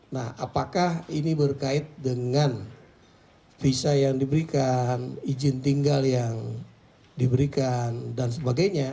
nah apakah ini berkait dengan visa yang diberikan izin tinggal yang diberikan dan sebagainya